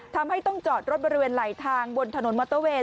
ทำให้ต้องจอดรถบริเวณไหลทางบนถนนมอเตอร์เวย